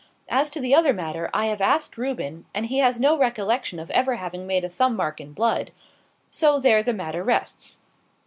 As to the other matter, I have asked Reuben, and he has no recollection of ever having made a thumb mark in blood. So there the matter rests."